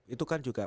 itu kan juga